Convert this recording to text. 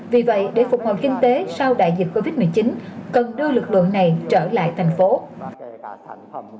vì vậy để phục hồi kinh tế sau đại dịch covid một mươi chín cần đưa lực lượng này trở lại thành phố